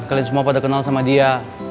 kalian semua pada kenal sama dia